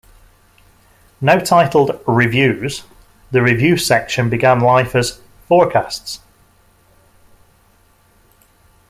Now titled "Reviews", the review section began life as "Forecasts.